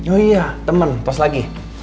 oh iya temen pos lagi